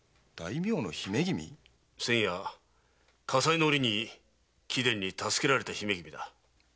先夜火災のおりに貴殿に助けられた姫君だ。